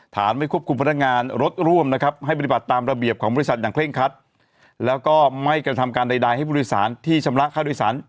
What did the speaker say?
ฐานไม่ควบคุมพนักงานรถร่วมให้ปฏิบัติตามระเบียบของบริษัทอย่างเคร่งคัด